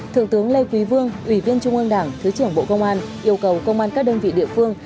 thượng tướng lê quý vương ủy viên trung ương đảng thứ trưởng bộ công an yêu cầu công an các đơn vị địa phương